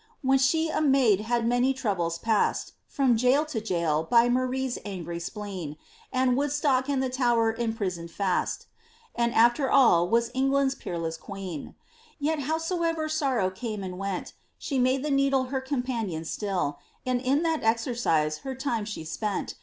When she a maid bad many troubles past. From jail to jail by Marie's angry spleen, And Woodstock an<l the Tower in prison fast, And after all was England's peerless queen. Yet howsoever sorrow came or went, She made the needle her companion still. And m tliat exercise her time she spent.